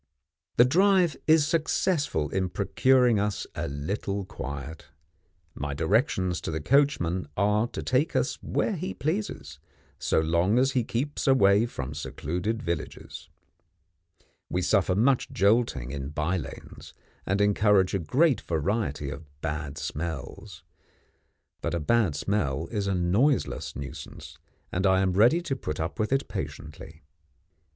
The drive is successful in procuring us a little quiet. My directions to the coachman are to take us where he pleases, so long as he keeps away from secluded villages. We suffer much jolting in by lanes, and encounter a great variety of bad smells. But a bad smell is a noiseless nuisance, and I am ready to put up with it patiently.